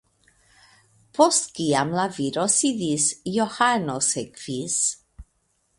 Post kiam la viro sidis, Johano sekvis.